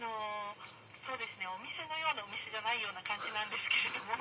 お店のようなお店じゃないような感じなんです。